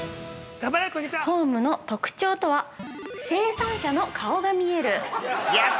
◆ホームの特徴とは生産者の顔が見える。